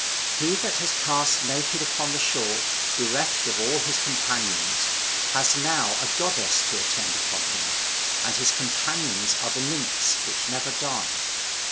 He that was cast naked upon the shore, bereft of all his companions, has now a goddess to attend upon him, and his companions are the nymphs which never die.